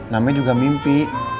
namanya juga mimpi